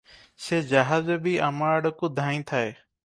ସେ ଜାହାଜ ବି ଆମ ଆଡକୁ ଧାଇଁଥାଏ ।